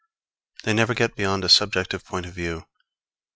They never get beyond a subjective point of view.